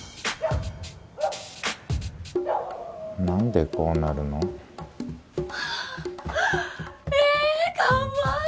何でこうなるの？